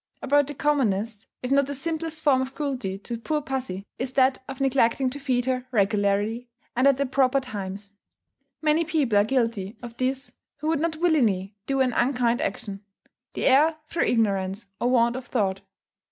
About the commonest, if not the simplest form of cruelty to poor pussy, is that of neglecting to feed her regularly, and at the proper times. Many people are guilty of this who would not willingly do an unkind action; they err through ignorance, or want of thought.